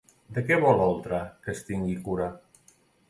De què vol Oltra que es tingui cura?